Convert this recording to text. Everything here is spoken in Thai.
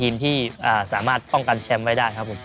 มาสุบการณ์ทีมชาติไทยครับ